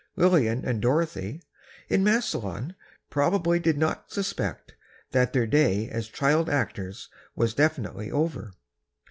Lillian and Dorothy, in Massillon, probably did not suspect that their day as child actors was definitely over.